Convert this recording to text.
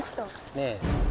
ねえ。